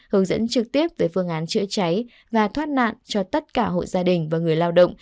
hướng dẫn trực tiếp về phương án chữa cháy và thoát nạn cho tất cả hộ gia đình và người lao động